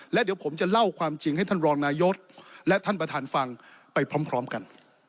และเดี๋ยวผมจะเล่าความจริงให้ท่านรองนายกและท่านประธานฟังไปพร้อมกัน